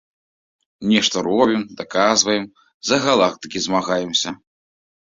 Нешта робім, даказваем, за галактыкі змагаемся.